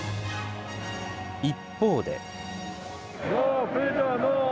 一方で。